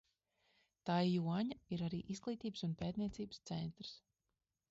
Taijuaņa ir arī izglītības un pētniecības centrs.